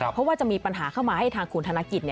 เพราะว่าจะมีปัญหาเข้ามาให้ทางคุณธนกิจ